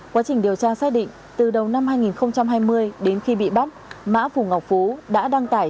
quá trình điều tra xác định từ đầu năm hai nghìn hai mươi đến khi bị bắt mã phù ngọc phú đã đăng tải